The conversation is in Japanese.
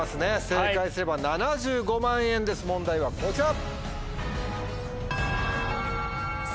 正解すれば７５万円です問題はこちら。